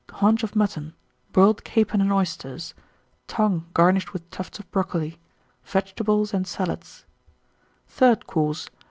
Haunch of Mutton. Boiled Capon and Oysters. Tongue, garnished with tufts of Brocoli. Vegetables and Salads. THIRD COURSE.